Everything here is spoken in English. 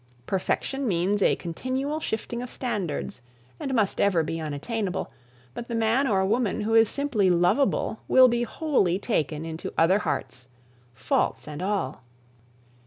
Perfection means a continual shifting of standards and must ever be unattainable, but the man or woman who is simply lovable will be wholly taken into other hearts faults and all.